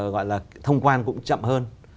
gọi là thông quan cũng chậm hơn